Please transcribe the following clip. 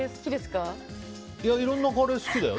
いろんなカレー好きだよ。